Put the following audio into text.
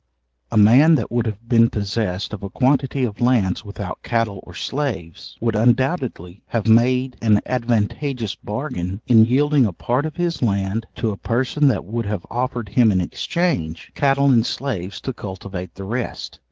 A man that would have been possessed of a quantity of lands without cattle or slaves, would undoubtedly have made an advantageous bargain, in yielding a part of his land, to a person that would have offered him in exchange, cattle and slaves to cultivate the rest.